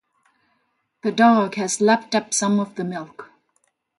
The dog has lapped up some of the milk.